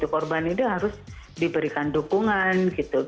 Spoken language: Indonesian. korban ini harus diberikan dukungan